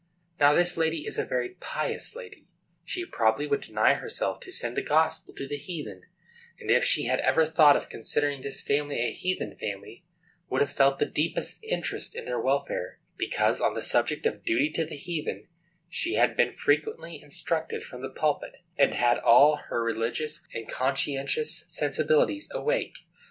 Now, this lady is a very pious lady. She probably would deny herself to send the gospel to the heathen, and if she had ever thought of considering this family a heathen family, would have felt the deepest interest in their welfare; because on the subject of duty to the heathen she had been frequently instructed from the pulpit, and had all her religious and conscientious sensibilities awake.